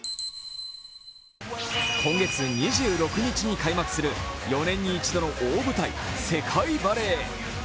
今月２６日に開幕する４年に一度の大舞台、世界バレー。